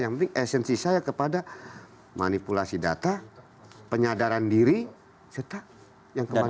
yang penting esensi saya kepada manipulasi data penyadaran diri serta yang kemana mana